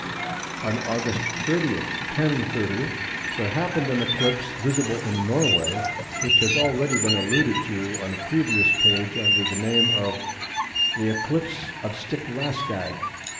On Aug. 30, 1030, there happened an eclipse visible in Norway, which has already been alluded to on a previous page under the name of the "eclipse of Stiklastad."